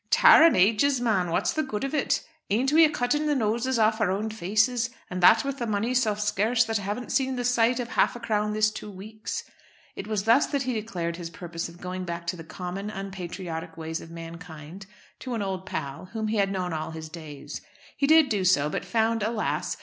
"Tare and ages, man, what's the good of it? Ain't we a cutting the noses off our own faces, and that with the money so scarce that I haven't seen the sight of a half crown this two weeks." It was thus that he declared his purpose of going back to the common unpatriotic ways of mankind, to an old pal, whom he had known all his days. He did do so, but found, alas!